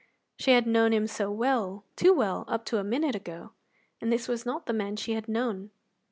She had known him so well, too well, up to a minute ago, and this was not the man she had known.